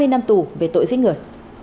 hai mươi năm tù về tội giết người